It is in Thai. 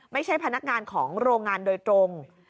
ไม่ใช่พนักงานของโรงงานโดยตรง